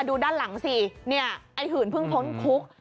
ดูด้านหลังสิเนี่ยไอ้หื่นเพิ่งพ้นคุก